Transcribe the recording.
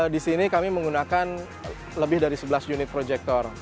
di sini kami menggunakan lebih dari sebelas unit proyektor